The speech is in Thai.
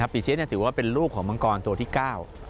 ปีเซียถือว่าเป็นลูกของมังกรตัวที่เก้า